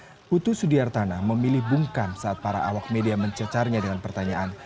putu sudiartana memilih bungkam saat para awak media mencecarnya dengan pertanyaan